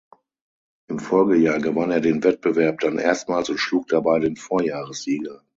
Im Folgejahr gewann er den Wettbewerb dann erstmals und schlug dabei den Vorjahressieger.